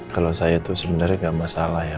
kalau saya tuh sebenarnya gak masalah ya